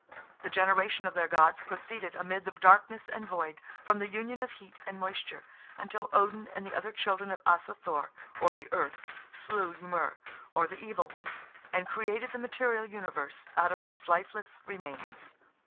The generation of their gods proceeded amid the darkness and void, from the union of heat and moisture, until Odin and the other children of Asa Thor, or the Earth, slew Ymer, or the Evil One, and created the material universe out of his lifeless remains.